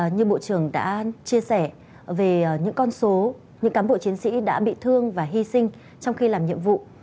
như bộ trưởng đã chia sẻ về những con số những cán bộ chiến sĩ đã bị thương và hy sinh trong khi làm nhiệm vụ